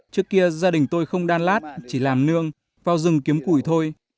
trước kia gia đình tôi không đan lát chỉ làm nương vào rừng kiếm củi thôi